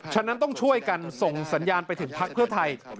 ฉะนั้นต้องช่วยกันส่งสัญญาณไปถึงพักเพื่อไทย